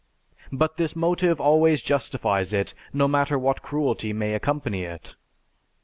But this motive always justifies it, no matter what cruelty may accompany it.